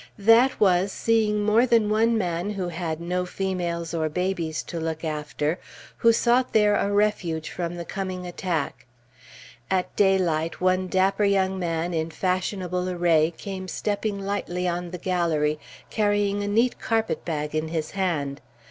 That was seeing more than one man who had no females or babies to look after, who sought there a refuge from the coming attack. At daylight, one dapper young man, in fashionable array, came stepping lightly on the gallery, carrying a neat carpet bag in his hand.